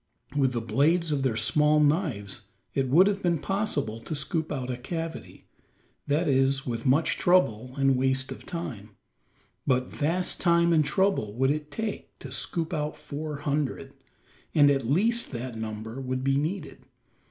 With the blades of their small knives it would have been possible to scoop out a cavity that is, with much trouble and waste of time; but vast time and trouble would it take to scoop out four hundred; and at least that number would be needed.